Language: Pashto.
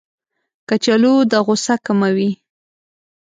کچالو د غوسه کموي